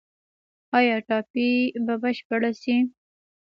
آیا ټاپي به بشپړه شي؟